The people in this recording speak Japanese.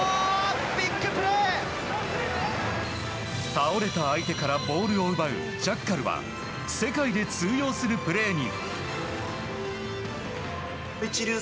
倒れた相手からボールを奪うジャッカルは世界で通用するプレーに。